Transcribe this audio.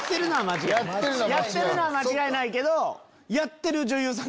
やってるのは間違いないけど。